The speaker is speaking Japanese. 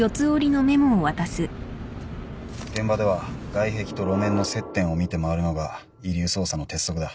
現場では外壁と路面の接点を見て回るのが遺留捜査の鉄則だ。